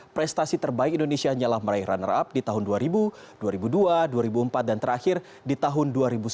prestasi terbaik indonesia nyalah meraih runner up di tahun dua ribu dua ribu dua dua ribu empat dan terakhir di tahun dua ribu sepuluh